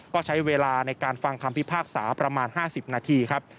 ก็ใช้เวลาในการฟังคำพิพากษาประมาณ๕๐นาทีครับ